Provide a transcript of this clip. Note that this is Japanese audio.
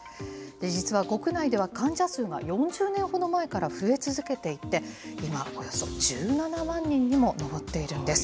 実は国内では患者数が４０年ほど前から増え続けていて、今、およそ１７万人にも上っているんです。